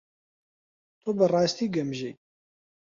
تۆ بەڕاستی گەمژەی.